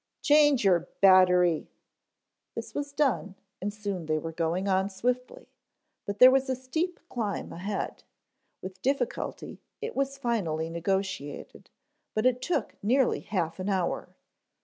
"Change your battery." This was done, and soon they were going on swiftly, but there was a steep climb ahead. With difficulty it was finally negotiated, but it took nearly half an hour.